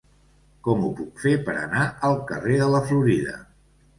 Com ho puc fer per anar al carrer de la Florida?